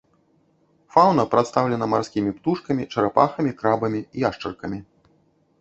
Фаўна прадстаўлена марскімі птушкамі, чарапахамі, крабамі, яшчаркамі.